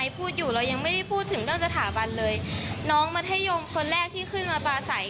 ประเทศโยมคนแรกที่ขึ้นมาประสัย